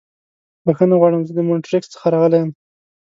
بښنه غواړم. زه د مونټریکس څخه راغلی یم.